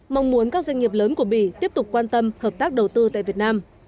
mong muốn các doanh nghiệp lớn của bỉ tiếp tục quan tâm hợp tác đầu tư tại việt nam